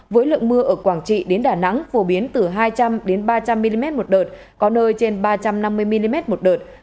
với lượng mưa ở quảng trị đến đà nẵng phổ biến từ hai trăm linh ba trăm linh mm một đợt có nơi trên ba trăm năm mươi mm một đợt